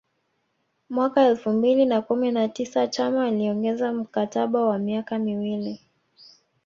Mwaka elfu mbili na kumi na tisa Chama aliongeza mkataba wa miaka miwili